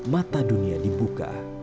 mata dunia dibuka